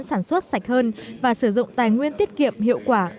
sản xuất sạch hơn và sử dụng tài nguyên tiết kiệm hiệu quả